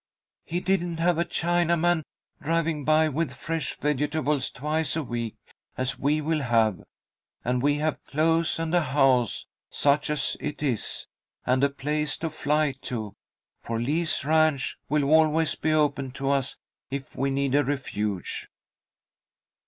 "He didn't have a Chinaman driving by with fresh vegetables twice a week, as we will have, and we have clothes, and a house, such as it is, and a place to fly to, for Lee's Ranch will always be open to us if we need a refuge."